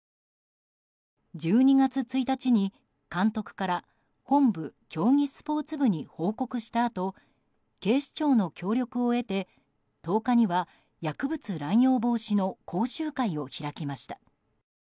１２月１日に監督から本部競技スポーツ部に報告したあと警視庁の協力を得て１０日には薬物乱用防止の講習会を開きました。